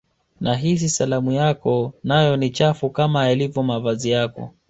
nahisi salamu yako nayo ni chafu kama yalivyo mavazi yako